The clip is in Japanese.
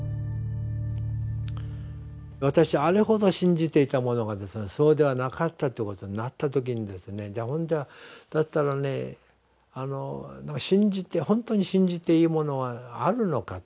私あれほど信じていたものがそうではなかったってことになった時にですねじゃあだったらねほんとに信じていいものはあるのかと。